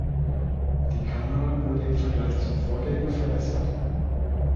Die Kamera wurde im Vergleich zum Vorgänger verbessert.